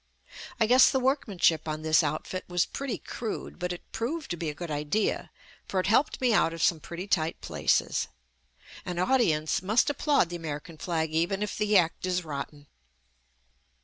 I guess the workmanship on this outfit was pretty crude but it proved to be a good idea, for it helped me out of some pretty tight places. An audience must ap plaud the American flag even if the act is rot ten.